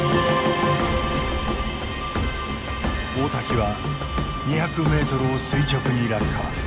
大滝は２００ｍを垂直に落下。